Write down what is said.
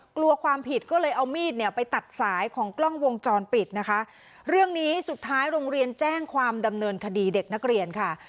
กลัวความผิดก็เลยเอามีดเนี่ยไปตัดสายของกล้องวงจรปิดนะคะเรื่องนี้สุดท้ายโรงเรียนแจ้งความดำเนินคดีเด็กนักเรียนค่ะ